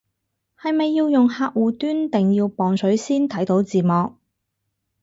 係咪要用客戶端定要磅水先睇到字幕